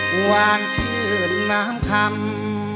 หวานชื่นน้ำคำ